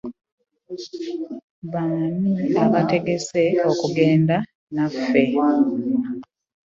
Baani abetegese okugenda naffe?